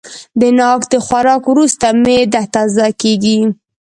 د ناک د خوراک وروسته معده تازه کېږي.